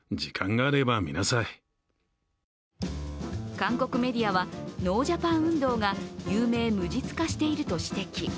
韓国メディアは、ノージャパン運動が有名無実化していると指摘。